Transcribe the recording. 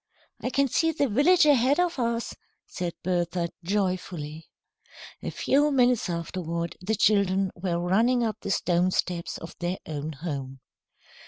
"I can see the village ahead of us," said Bertha, joyfully. A few minutes afterward, the children were running up the stone steps of their own home.